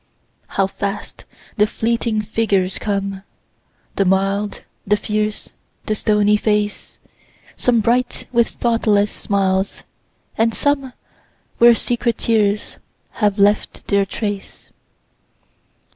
How fast the flitting figures come! The mild, the fierce, the stony face; Some bright with thoughtless smiles and some Where secret tears have left their trace.